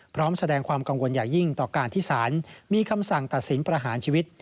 พร้อมแสดงความกังวลอย่างยิ่งต่อการที่สารมีคำสั่งตัดสินประหารชีวิต